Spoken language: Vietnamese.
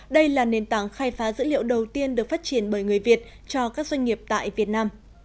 đây là nền tảng khai phá dữ liệu đầu tiên được phát triển bởi người việt cho các doanh nghiệp tại việt nam